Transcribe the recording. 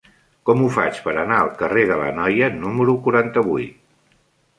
Com ho faig per anar al carrer de l'Anoia número quaranta-vuit?